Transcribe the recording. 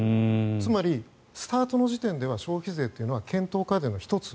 つまりスタートの時点では消費税というのは検討課題の１つ。